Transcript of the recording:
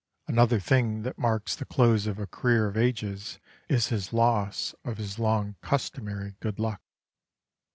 Another thing that marks the close of a career of ages is his loss of his long customary good luck.